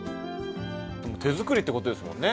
手作りってことですもんね。